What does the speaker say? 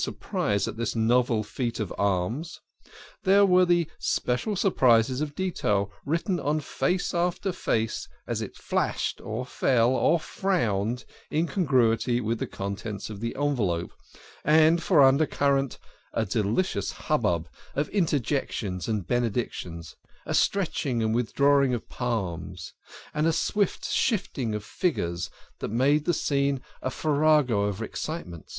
surprise at this novel feat of alms ; there were the special surprises of detail writ ten on face after face, as it flashed or fell or frowned in congruity with the contents of the envelope, and for under current a delicious hubbub of interjections and benedictions, a stretching and withdrawing of palms, and a swift shifting of figures, that made the scene a farrago of excitements.